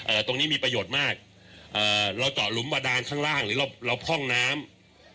ตรงนี้มีประโยชน์มากเอ่อเราเจาะหลุมบาดานข้างล่างหรือเราเราพ่องน้ำ